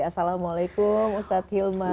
assalamualaikum ustadz hilman